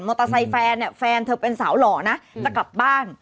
เตอร์ไซค์แฟนเนี่ยแฟนเธอเป็นสาวหล่อนะจะกลับบ้าน